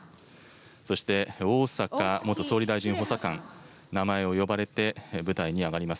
そして、逢坂元総理大臣補佐官、名前を呼ばれて、舞台に上がります。